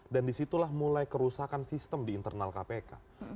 disitulah mulai kerusakan sistem di internal kpk